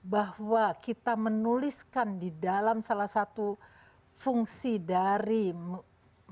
bahwa kita menuliskan di dalam salah satu fungsi dari melakukan whole genome analysis